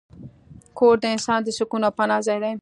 کور د انسان د سکون او پناه ځای دی.